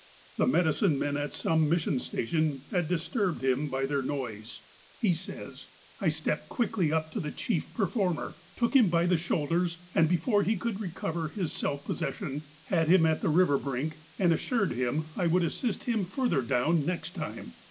The medicine men at some mission station had dis turbed him by their noise. He says : I 272 THE APOSTLE OF ALASKA " I stepped quickly up to the chief performer, took him by the shoulders, and before he could recover his self possession, had him at the river brink, and assured him that I would assist him further down next time."